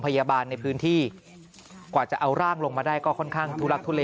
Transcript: พยาบาลในพื้นที่กว่าจะเอาร่างลงมาได้ก็ค่อนข้างทุลักทุเล